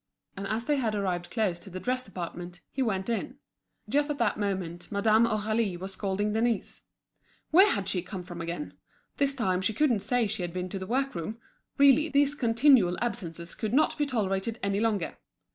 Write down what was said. And as they had arrived close to the dress department, he went in. Just at that moment Madame Aurélie was scolding Denise. Where had she come from, again? This time she couldn't say she had been to the work room. Really, these continual absences could not be tolerated any longer.